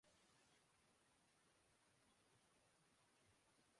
ایسا کرے گا۔